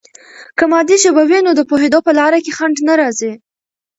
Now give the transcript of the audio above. که مادي ژبه وي، نو د پوهیدو په لاره کې خنډ نه راځي.